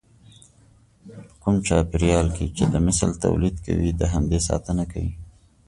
په کوم چاپېريال کې چې د مثل توليد کوي د همدې ساتنه کوي.